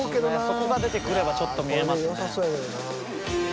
そこが出てくればちょっと見えますね。